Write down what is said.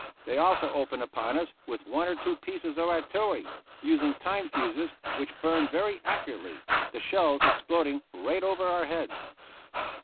They also opened upon us with one or two pieces of artillery, using time fuses which burned very accurately, the shells exploding right over our heads.